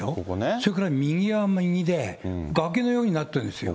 それから右は右で、崖のようになってるんですよ。